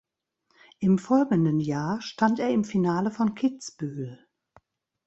Im folgenden Jahr stand er im Finale von Kitzbühel.